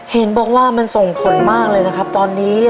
เห็นบอกว่ามันส่งผลมากเลยนะครับตอนนี้